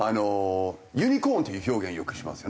「ユニコーン」という表現よくしますよね。